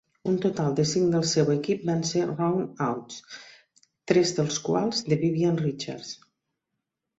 Un total de cinc del seu equip van ser "run outs", tres dels quals de Vivian Richards.